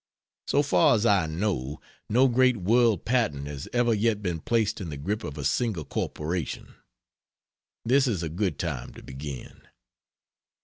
"So far as I know, no great world patent has ever yet been placed in the grip of a single corporation. This is a good time to begin.